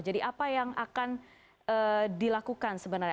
jadi apa yang akan dilakukan sebenarnya